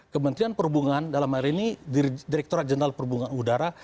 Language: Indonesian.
kementerian perhubungan dalam hal ini direkturat jenderal perhubungan udara